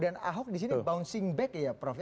dan ahok disini bouncing back ya prof